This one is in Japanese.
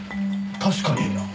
確かに！